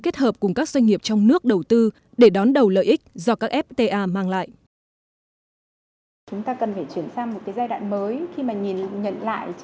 kết hợp cùng các doanh nghiệp trong nước đầu tư để đón đầu lợi ích do các fta mang lại